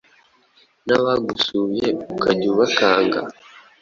Nabagusuye ukajya ubakanga